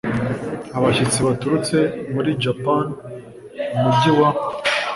abashyitsi baturutse muri japan mu mujyi wa